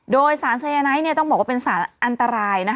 โดยสารสายไนท์ต้องบอกว่าเป็นสารอันตราย